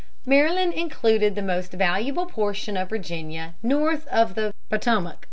Maryland included the most valuable portion of Virginia north of the Potomac.